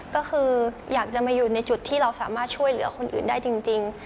ก็คืออยากจะมาอยู่ในจุดที่เราสามารถช่วยเหลือคนอื่นได้จริง